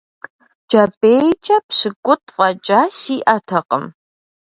КӀэпӀейкӀэ пщыкӀутӀ фӀэкӀа сиӏэтэкъым.